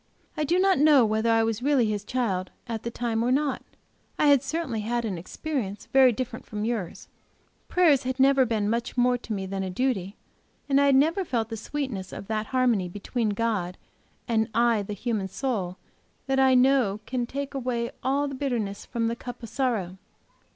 I do not know whether I was really His child, at the time, or not. I had certainly had an experience very different from yours; prayer had never been much more to me than a duty; and I had never felt the sweetness of that harmony between God and I the human soul that I now know can take away all the bitterness from the cup of sorrow.